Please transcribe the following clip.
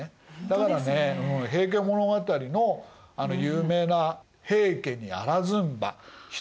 だからね「平家物語」のあの有名な「平家にあらずんば人にあらず」。